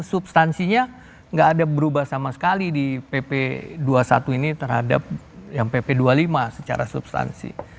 substansinya nggak ada berubah sama sekali di pp dua puluh satu ini terhadap yang pp dua puluh lima secara substansi